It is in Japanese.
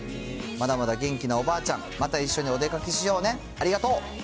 まだまだ元気なおばあちゃん、また一緒にお出かけしようね、ありがとう。